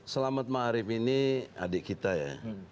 selamat maharif ini adik kita ya